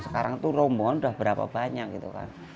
sekarang itu rombongan udah berapa banyak gitu kan